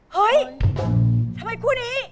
เฮ้ยทำไมคู่นี้